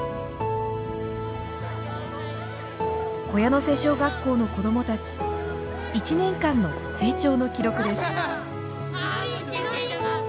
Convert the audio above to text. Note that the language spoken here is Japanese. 木屋瀬小学校の子どもたち１年間の成長の記録です。